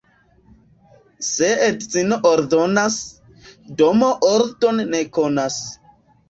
Se edzino ordonas, domo ordon ne konas.